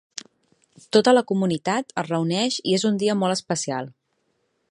Tota la comunitat es reuneix i és un dia molt especial.